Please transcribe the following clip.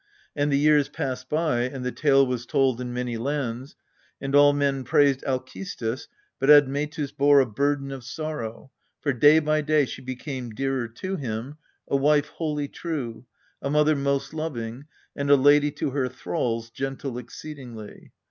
And the years passed by, and the tale was told in many lands; and all men praised Alcestis, but Admetus bore a burden of sorrow, for day by day she became dearer to him, a wife wholly true, a mother most loving, and a lady to her thralls gentle exceedingly.